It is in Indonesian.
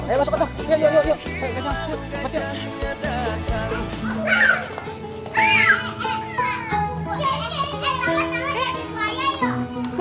kayaknya kayakannya lagi sama